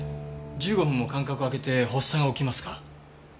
１５分も間隔をあけて発作が起きますか？